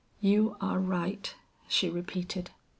"You are right," she repeated.